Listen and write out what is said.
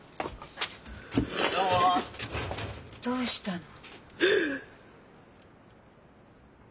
どうしたの？